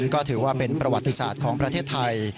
ก็ถือว่าเป็นประวัติศาสตร์ของประเทศไทย